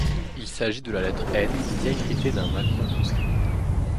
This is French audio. Il s'agit de la lettre N diacritée d'un macron souscrit.